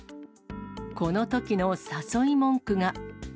このときの誘い文句が。